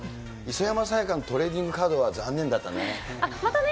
磯山さやかのトレーディングカードが残念だったね。